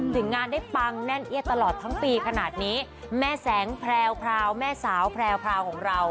ถึงงานได้ปังแน่นเอียดตลอดทั้งปีขนาดนี้แม่แสงแพรวพราวแม่สาวแพรวพราวของเรา